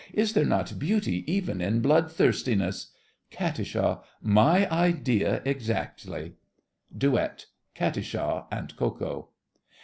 is there not beauty even in bloodthirstiness? KAT. My idea exactly. DUET—KATISHA and KO KO.